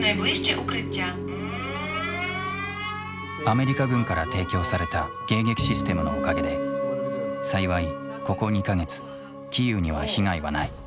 アメリカ軍から提供された迎撃システムのおかげで幸いここ２か月キーウには被害はない。